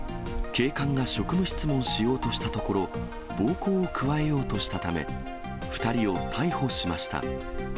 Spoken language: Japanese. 警官が職務質問しようとしたところ、暴行を加えようとしたため、２人を逮捕しました。